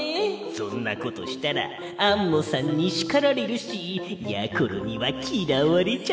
そんなことしたらアンモさんにしかられるしやころにはきらわれちゃうぞ。